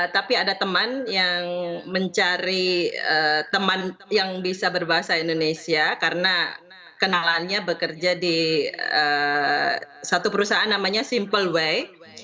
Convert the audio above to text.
tapi ada teman yang mencari teman yang bisa berbahasa indonesia karena kenalannya bekerja di satu perusahaan namanya simpleway